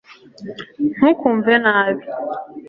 ntukumve nabi